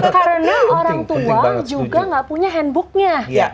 karena orang tua juga gak punya handbooknya